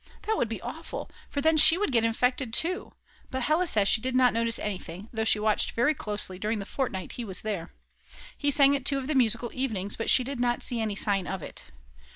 That would be awful, for then she would get infected too; but Hella says she did not notice anything, though she watched very closely during the fortnight he was there. He sang at two of the musical evenings, but she did not see any sign of it.